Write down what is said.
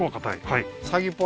はい